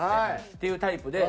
っていうタイプで。